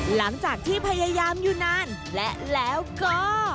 หลังจากที่พยายามอยู่นานและแล้วก็